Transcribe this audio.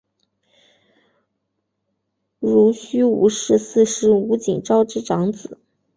濡须吴氏四世吴景昭之长子。